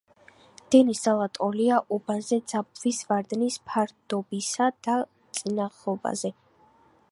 დენის ძალა ტოლია უბანზე ძაბვის ვარდნის ფარდობისა მის წინაღობაზე.